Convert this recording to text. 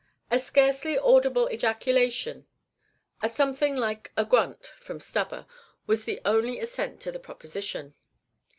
A scarcely audible ejaculation a something like a grunt from Stubber, was the only assent to this proposition.